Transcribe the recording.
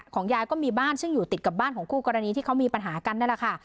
ยายก็มีบ้านซึ่งอยู่ติดกับบ้านของคู่กรณีที่เขามีปัญหากันนั่นแหละค่ะ